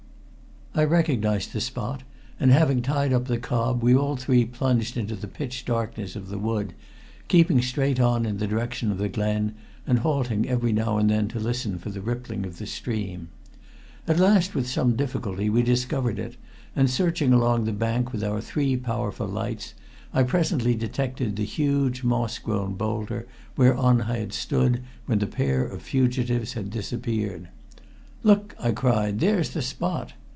I recognized the spot, and having tied up the cob we all three plunged into the pitch darkness of the wood, keeping straight on in the direction of the glen, and halting every now and then to listen for the rippling of the stream. At last, after some difficulty, we discovered it, and searching along the bank with our three powerful lights, I presently detected the huge moss grown boulder whereon I had stood when the pair of fugitives had disappeared. "Look!" I cried. "There's the spot!"